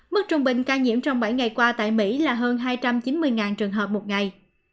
mức trung bình ca nhiễm trong bảy ngày qua tại mỹ là hơn hai trăm chín mươi trường hợp một ngày